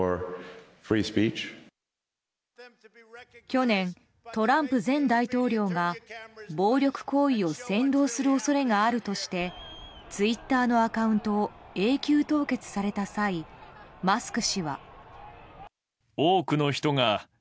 去年、トランプ前大統領が暴力行為を扇動する恐れがあるとしてツイッターのアカウントを永久凍結された際マスク氏は。